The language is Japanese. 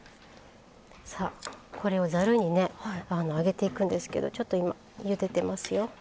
さあこれをざるにね上げていくんですけどちょっと今ゆでてますよ。